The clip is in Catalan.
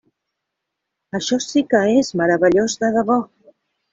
Això sí que és meravellós de debò!